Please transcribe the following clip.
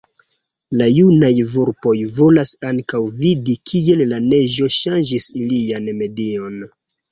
La junaj vulpoj volas ankaŭ vidi kiel la neĝo ŝanĝis ilian medion.